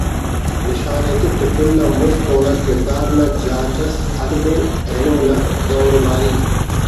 نشان ایتک تو کُل آن مست اونا کڑدار نا جاچ اس ہلبو اینو نا دورباری